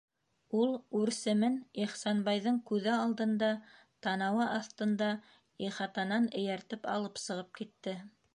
Ул үрсемен Ихсанбайҙың күҙе алдында, танауы аҫтында ихатанан эйәртеп алып сығып китте!